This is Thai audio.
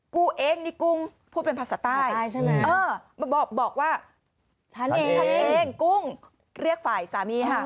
กูเองนี่กุ้งพูดเป็นภาษาใต้บอกว่าฉันเองกุ้งเรียกฝ่ายสามีค่ะ